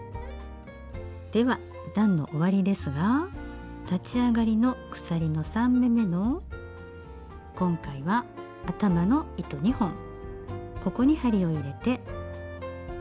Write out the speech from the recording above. では段の終わりですが立ち上がりの鎖の３目めの今回は頭の糸２本ここに針を入れて。